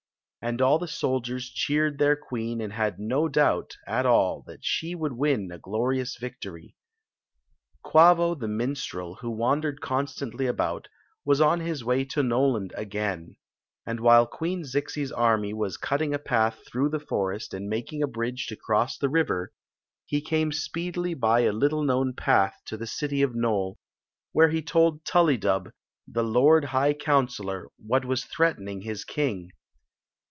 And all ikt sddiere cheered tficir queen and had no doubt at all that she would win a glorious victory. Quavo the minstrel, who wandered constantly about, was on his way to Noland again ; and while Queen Zixi's army was cutting a pa^ through the forest and making a bridge to cross the river, he came speecWy by a little known path to the city of Nole, whc c he told Tullydub, the lord high counselor, what w IS threatening his king.